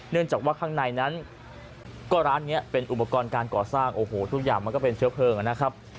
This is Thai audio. เนื่องจากว่าข้างในนั้นก็ร้านนี้เป็นอุปกรณ์การก่อสร้างโอ้โหทุกอย่างมันก็เป็นเชื้อเพลิงนะครับ